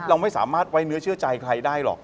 เราไม่สามารถไว้เนื้อเชื่อใจใครได้หรอก